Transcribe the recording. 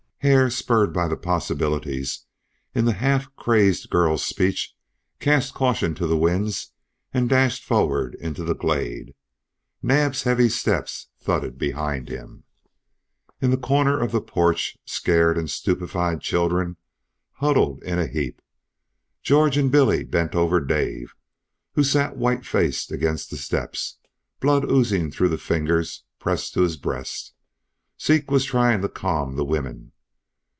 Hare, spurred by the possibilities in the half crazed girl's speech, cast caution to the winds and dashed forward into the glade. Naab's heavy steps thudded behind him. In the corner of the porch scared and stupefied children huddled in a heap. George and Billy bent over Dave, who sat white faced against the steps. Blood oozed through the fingers pressed to his breast. Zeke was trying to calm the women.